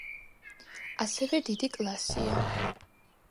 ასევე დიდი კლასია.